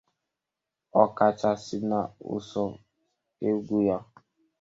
ọkachasị n'ụsọekwu ya.